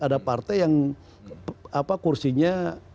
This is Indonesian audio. ada partai yang kursinya